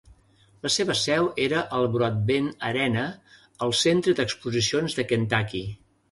La seva seu era el Broadbent Arena al centre d'exposicions de Kentucky.